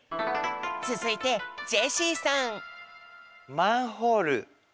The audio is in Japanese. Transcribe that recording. つづいてジェシーさん。